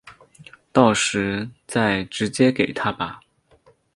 到时再直接给他吧